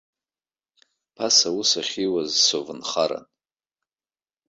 Ԥаса аус ахьиуаз совнхаран.